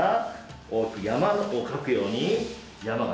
大きく山を描くように山形。